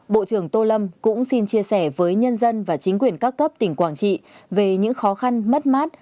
bộ trưởng tô lâm cũng xin chia sẻ với nhân dân và chính quyền các cấp tỉnh quảng trị về những khó khăn mất mát